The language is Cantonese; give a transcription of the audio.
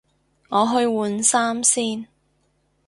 我去換衫先